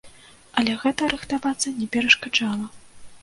Але гэта рыхтавацца не перашкаджала.